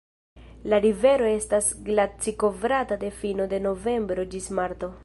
La rivero estas glacikovrata de fino de novembro ĝis marto.